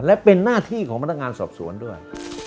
และเป็นหน้าที่ของพนักงานสอบสวนด้วย